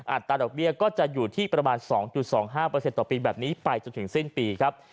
อัตราดอกเบี้ยก็จะอยู่ที่ประมาณ๒๒๕ต่อปีแบบนี้ไปจนถึงสิ้นปีครับ